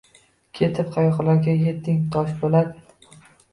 Ketib, qayoqlarga yetding, Toshpo‘lat?